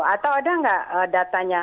atau ada nggak datanya